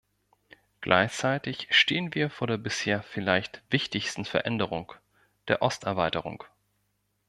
Gleichzeitig stehen wir vor der bisher vielleicht wichtigsten Veränderung, der Osterweiterung.